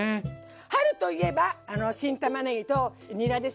春と言えば新たまねぎとニラですよね。